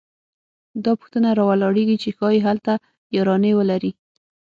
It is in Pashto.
دا پوښتنه راولاړېږي چې ښايي هلته یارانې ولري